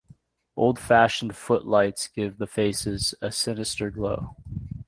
Old-fashioned footlights give the faces a sinister glow.